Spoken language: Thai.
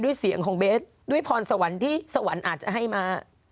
เสียงของเบสด้วยพรสวรรค์ที่สวรรค์อาจจะให้มา